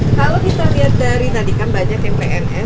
kalau kita lihat dari tadi kan banyak yang pns